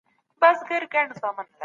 ته کولای شې لرې سفر وکړې.